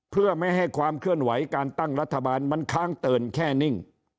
เพื่อไม่ให้ความเคลื่อนไหวการตั้งรัฐบาลมันค้างเติินแค่นิ่ง